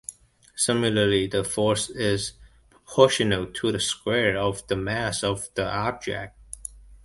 Similarly, the force is proportional to the square of the mass of the object.